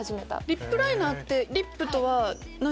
リップライナーって。